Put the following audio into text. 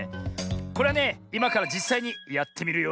これはねいまからじっさいにやってみるよ。